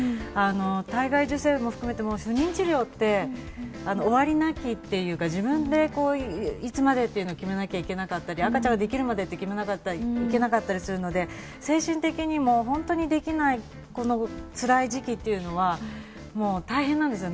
体外受精も含めて、不妊治療って終わりなきっていうか、自分でいつまでって決めなきゃいけなかったり赤ちゃんができるまでって決めなきゃいけなかったりするので、精神的にもできない辛い時期というのは大変なんですよね。